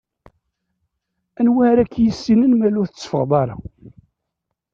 Anwa ara k-yissinen ma yella ur tetteffɣeḍ ara?